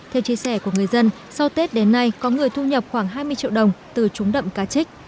theo chia sẻ của người dân sau tết đến nay có người thu nhập khoảng hai mươi triệu đồng từ trúng đậm cá chích